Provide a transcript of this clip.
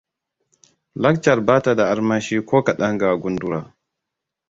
Laccar ba ta da armashi ko kadan ga gundura.